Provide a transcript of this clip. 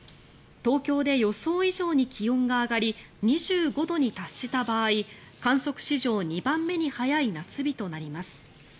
東京で予想以上に気温が上がり２５度に達した場合観測史上２番目に早い夏日となります。